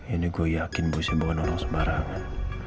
ini gue yakin bosnya bukan orang sembarangan